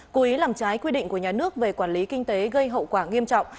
cố ý làm trái quy định của nhà nước về quản lý kinh tế gây hậu quả nghiêm trọng